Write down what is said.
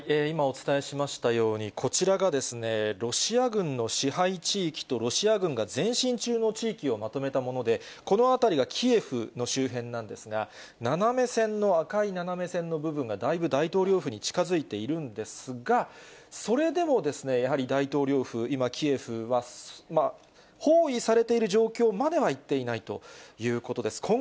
今、お伝えしましたように、こちらがロシア軍の支配地域と、ロシア軍が前進中の地域をまとめたもので、この辺りがキエフの周辺なんですが、斜め線の、赤い斜め線の部分がだいぶ大統領府に近づいているんですが、それでも、やはり大統領府、今、キエフは包囲されている状況まではいっていないということです。